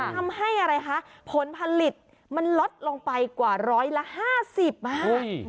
ทำให้อะไรคะผลผลิตมันลดลงไปกว่าร้อยละ๕๐ค่ะ